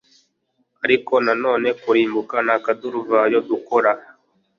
ariko nanone kurimbuka n'akaduruvayo dukora